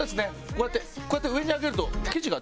こうやってこうやって上に上げると。